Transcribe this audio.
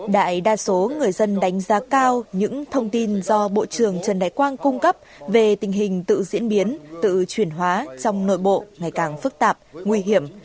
đại đa số người dân đánh giá cao những thông tin do bộ trưởng trần đại quang cung cấp về tình hình tự diễn biến tự chuyển hóa trong nội bộ ngày càng phức tạp nguy hiểm